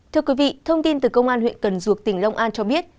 thưa quý vị thông tin từ công an huyện cần duộc tỉnh long an cho biết